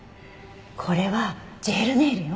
これはジェルネイルよ。